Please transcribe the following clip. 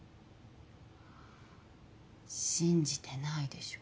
信じてないでしょ